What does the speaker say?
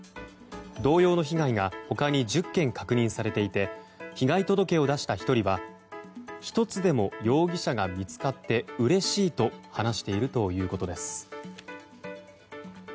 同様の被害が他に１０件確認されていて被害届を出した１人は１つでも容疑者が見つかってうれしいと話しているということです。